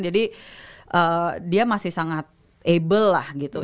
jadi dia masih sangat able lah gitu